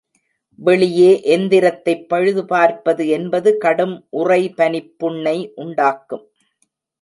வெளியே எந்திரத்தைப் பழுது பார்ப்பது என்பது கடும் உறைபனிப் புண்ணை உண்டாக்கும்.